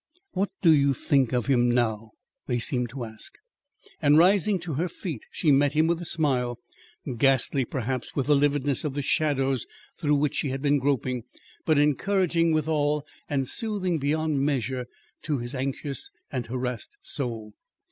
"What do you think of him now?" they seemed to ask, and rising to her feet, she met him with a smile, ghastly perhaps with the lividness of the shadows through which she had been groping, but encouraging withal and soothing beyond measure to his anxious and harassed soul.